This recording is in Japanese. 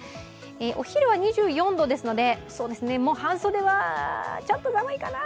お昼は２４度ですので、半袖はちょっと寒いかな。